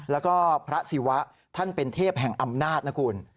แล้วก็พระศิวะท่านเป็นเทพแห่งอำนาจนะคุณ